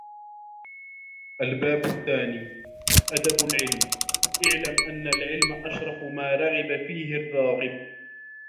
الْبَابُ الثَّانِي أَدَبُ الْعِلْمِ اعْلَمْ أَنَّ الْعِلْمَ أَشْرَفُ مَا رَغَّبَ فِيهِ الرَّاغِبُ